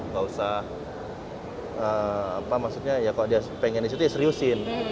gak usah apa maksudnya ya kalau dia pengen disitu ya seriusin